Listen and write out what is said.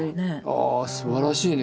ああすばらしいね